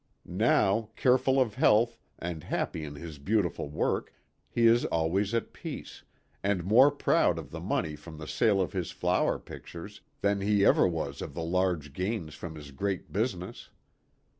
Now, careful of health, and happy in his beautiful work, he is always at peace, and more proud of the money from the sale of his flower pictures than he ever was of the large gains from his great business.